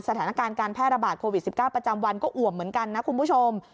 สถานการณ์การแพร่ระบาดโควิด๑๙ประจำวันก็อ่วมเหมือนกันนะคุณผู้ชม